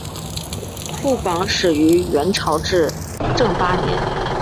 副榜始于元朝至正八年。